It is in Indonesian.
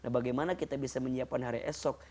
bagaimana kita bisa menyiapkan hari esok